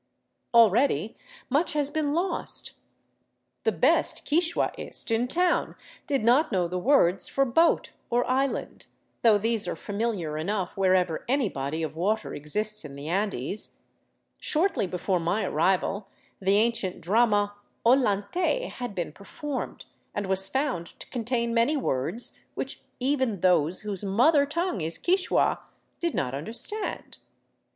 Already much has been lost. The best quichuaist in town did not know the words for boat or island, though these are familiar enough wherever any body of water exists in the Andes. Shortly before my arrival the ancient drama " Ollantay " had been performed, and was found to contain many words which even those whose mother tongue is Quichua did not understand.